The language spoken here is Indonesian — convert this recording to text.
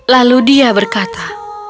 lalu dia berkata